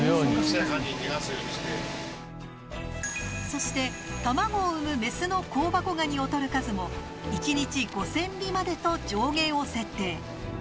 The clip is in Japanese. そして、卵を産むメスの香箱ガニを獲る数も１日５０００尾までと上限を設定。